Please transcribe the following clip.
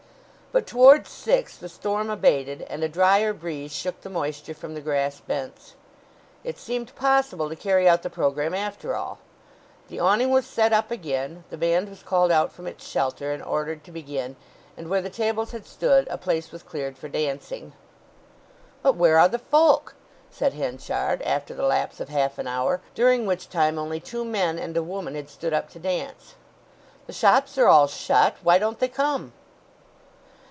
But towards six the storm abated, and a drier breeze shook the moisture from the grass bents. It seemed possible to carry out the programme after all. The awning was set up again; the band was called out from its shelter, and ordered to begin, and where the tables had stood a place was cleared for dancing. "But where are the folk?" said Henchard, after the lapse of half an hour, during which time only two men and a woman had stood up to dance. "The shops are all shut. Why don't they come?"